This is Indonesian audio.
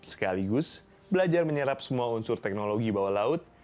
sekaligus belajar menyerap semua unsur teknologi bawah laut